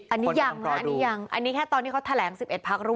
อันนี้ยังนะอันนี้ยังอันนี้แค่ตอนที่เขาแถลง๑๑พักร่วม